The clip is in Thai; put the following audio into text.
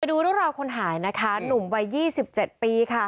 ดูเรื่องราวคนหายนะคะหนุ่มวัย๒๗ปีค่ะ